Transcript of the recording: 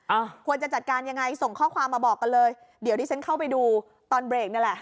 อ่าควรจะจัดการยังไงส่งข้อความมาบอกกันเลยเดี๋ยวดิฉันเข้าไปดูตอนเบรกนี่แหละ